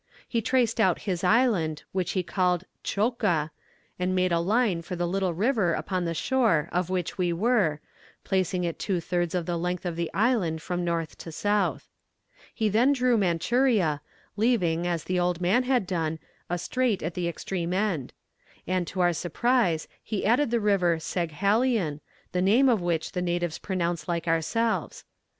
He traced out his island, which he called Tchoka, and made a line for the little river upon the shore of which we were placing it two thirds of the length of the island from north to south. He then drew Manchuria, leaving, as the old man had done, a strait at the extreme end; and to our surprise he added the river Saghalien, the name of which the natives pronounce like ourselves.